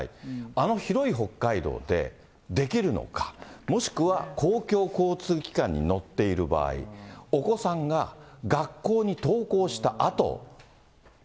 あの広い北海道でできるのか、もしくは公共交通機関に乗っている場合、お子さんが学校に登校したあと。